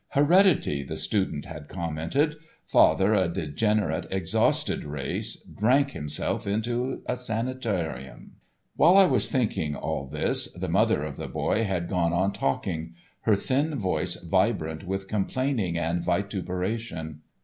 "Heredity," the student had commented, "father a degenerate, exhausted race, drank himself into a sanitarium." While I was thinking all this the mother of the boy had gone on talking, her thin voice vibrant with complaining and vituperation.